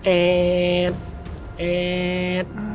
แอ๊ดแอ๊ด